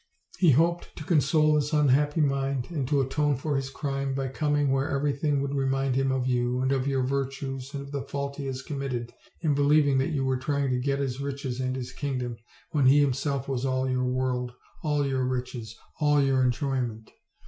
He hoped to console his unhappy mind, and to atone for his crime, by coining where everything would remind him of you and of your virtues and of the fault he has com mitted in believing that you were trying to get his riches and his kingdom, when he himself was all your world, all your riches, all your enjoyment.